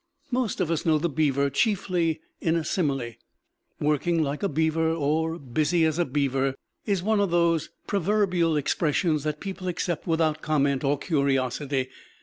Most of us know the beaver chiefly in a simile. "Working like a beaver," or "busy as a beaver," is one of those proverbial expressions that people accept without comment or curiosity.